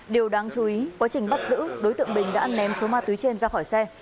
điều đáng chú ý quá trình bắt giữ đối tượng bình đã ném số ma túy trên ra khỏi xe